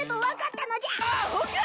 アホか！